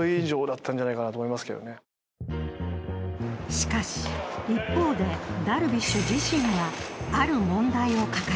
しかし一方でダルビッシュ自身がある問題を抱えていました。